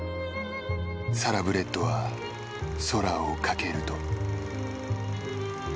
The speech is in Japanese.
サラブレッドは空を翔ると。